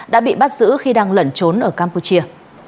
đã bị bắt giữ khi đang lẩn trốn ở campuchia